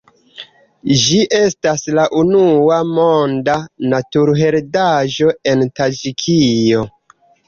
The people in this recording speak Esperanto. Ĝi estas la unua Monda Naturheredaĵo en Taĝikio.